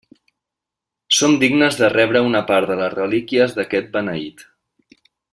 Som dignes de rebre una part de les relíquies d'aquest Beneït.